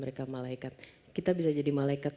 mereka malaikat kita bisa jadi malaikat